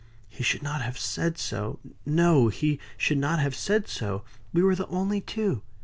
"He should not have said so. No! he should not have said so. We were the only two."